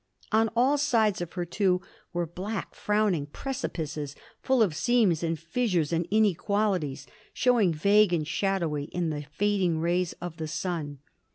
On all sides of her, too, were black, frowning precipices, full of seams and fissures and inequalities, showing vague and shadowy in the fading rays of the sun.